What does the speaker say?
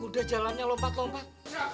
udah jalannya lompat lompat